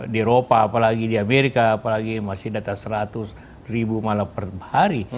di eropa apalagi di amerika apalagi masih di atas seratus ribu malam per hari